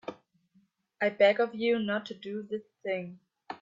I beg of you not to do this thing.